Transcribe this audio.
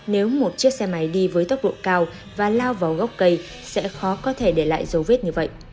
nếu một chiếc xe máy đi với tốc độ cao và lao vào gốc cây sẽ khó có thể để lại dấu vết như vậy